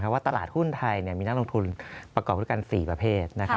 ว่าตลาดหุ้นไทยมีนักลงทุนประกอบด้วยกัน๔ประเภท